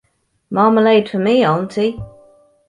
Marmalade for me, auntie.